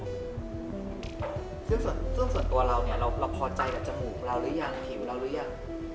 ซึ่งส่วนตัวเราเนี่ยเราพอใจกับจมูกเราหรือยังผิวเราหรือยัง